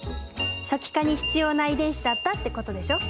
初期化に必要な遺伝子だったってことでしょ。